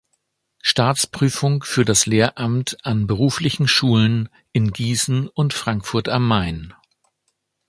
Staatsprüfung für das Lehramt an beruflichen Schulen in Gießen und Frankfurt am Main.